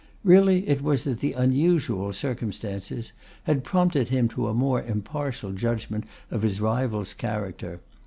Really it was that the unusual circumstances had prompted him to a more impartial judgment of his rival's character.